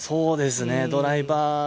ドライバー